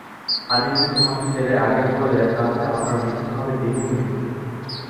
আমি যদি তোমাকে ফেলে আগে চলে যাই তা হলে আমার মৃত্যু হবে দ্বিগুণ মৃত্যু।